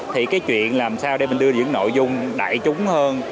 thì cái chuyện làm sao để mình đưa những nội dung đại chúng hơn